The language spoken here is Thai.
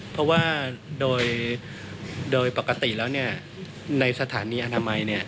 เพราะว่าโดยปกติแล้วในสถานีอนามัย